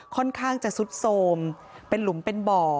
ค่อนข้างจะซุดโทรมเป็นหลุมเป็นบ่อ